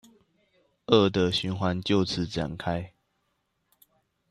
惡的循環就此展開